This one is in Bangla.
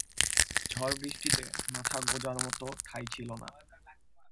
ঝড় বৃষ্টিতে মাথা গোজার মত ঠাঁই ছিল না।